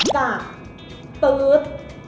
ก่าคเทื๊ด